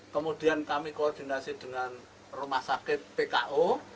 kemudian kami koordinasi dengan rumah sakit pko